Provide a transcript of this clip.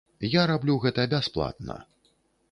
Я раблю гэта бясплатна.